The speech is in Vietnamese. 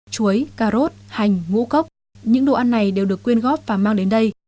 chuối cà rốt hành ngũ cốc những đồ ăn này đều được quyên góp và mang đến đây